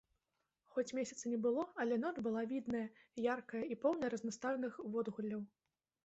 Хоць месяца не было, але ноч была відная, яркая і поўная разнастайных водгулляў.